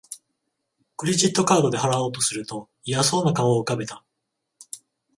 クレジットカードで払おうとすると嫌そうな顔を浮かべた